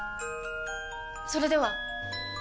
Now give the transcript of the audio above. それでは！